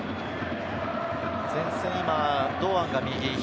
前線、今、堂安が左。